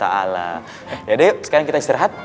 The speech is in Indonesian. yaudah yuk sekarang kita istirahat